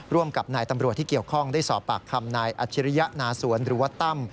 ร่วมกับนายตำรวจที่เกี่ยวข้องได้สอบปากคำนายอัจฉริยะนาสวนหรือว่าตั้ม